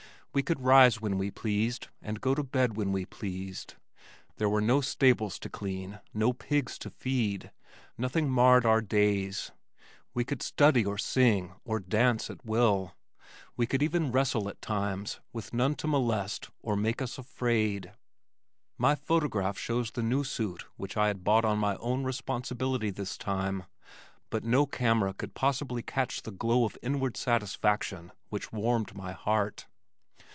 We could rise when we pleased and go to bed when we pleased. There were no stables to clean, no pigs to feed, nothing marred our days. We could study or sing or dance at will. We could even wrestle at times with none to molest or make us afraid. My photograph shows the new suit which I had bought on my own responsibility this time, but no camera could possibly catch the glow of inward satisfaction which warmed my heart.